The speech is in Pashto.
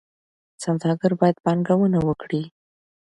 سوداګر باید پانګونه وکړي.